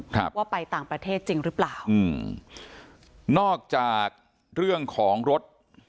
ครับว่าไปต่างประเทศจริงหรือเปล่าอืมนอกจากเรื่องของรถ